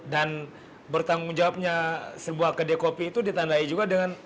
dan bertanggung jawabnya sebuah kedai kopi itu ditandai juga dengan